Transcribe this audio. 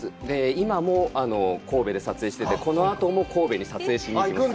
今も神戸で撮影してて、このあとも神戸に撮影しに行きます。